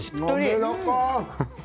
やわらか。